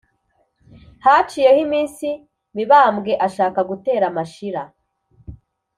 haciyeho iminsi mibambwe ashaka gutera mashira.